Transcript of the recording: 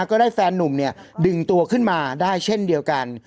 ก็ได้แฟนนุ่มดึงตัวขึ้นมาได้เช่นเดียวกัน